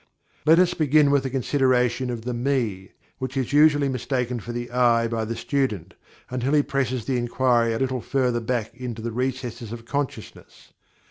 Let us begin with a consideration of the Me, which is usually mistaken for the I by the student, until he presses the inquiry a little further back into the recesses of consciousness.